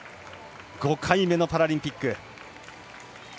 ５回目のパラリンピック。